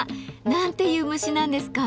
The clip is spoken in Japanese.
何ていう虫なんですか？